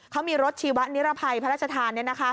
เขามีรถชีวะนิรภัยพระราชทาน